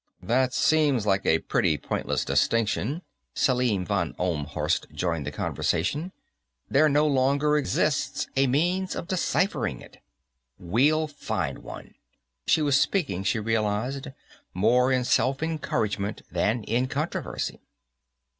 "That seems like a pretty pointless distinction," Selim von Ohlmhorst joined the conversation. "There no longer exists a means of deciphering it." "We'll find one." She was speaking, she realized, more in self encouragement than in controversy.